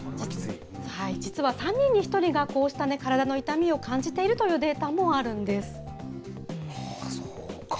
実は３人に１人がこうした体の痛みを感じているというデータもあそうか。